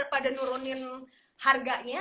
pada nurunin harganya